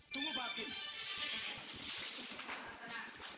tunggu pak arifin